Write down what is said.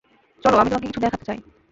চলো, আমি তোমাকে কিছু দেখাতে চাই!